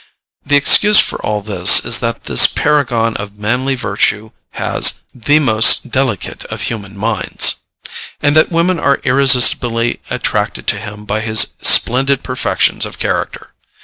The excuse for all this is that this paragon of manly virtue has "the most delicate of human minds," and that women are irresistibly attracted to him by his splendid perfections of character.